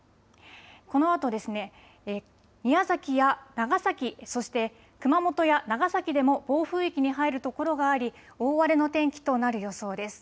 このあと宮崎や長崎、そして熊本や長崎でも暴風域に入るところがあり大荒れの天気となる予想です。